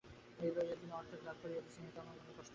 এই লইয়া তিনি অনর্থক রাগ করিতেছেন, ইহাতে আমার মনে কষ্ট হয়।